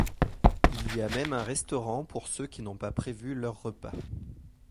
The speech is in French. Il y a même un restaurant pour ceux qui n’ont pas prévu leur repas.